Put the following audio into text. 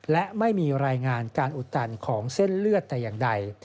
และไม่มีรายงานการอุดตันของเส้นเลือดแต่อย่างใด